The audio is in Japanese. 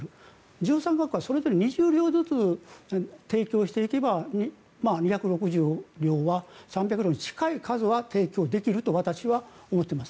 １３か国はそれぞれ２０両ずつ提供していけば２６０両、３００両に近い数は提供できると私は思っています。